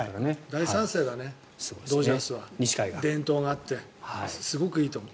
大賛成だねドジャースは伝統があってすごくいいと思う。